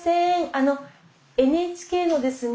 あのＮＨＫのですね